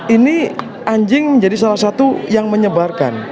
ini anjing menjadi salah satu yang menyebarkan